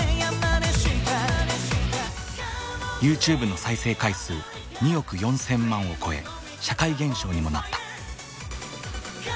ＹｏｕＴｕｂｅの再生回数２億４，０００万を超え社会現象にもなった。